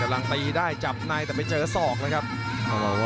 กำลังตีได้จับในแต่ไม่เจอศอกแล้วกันครับ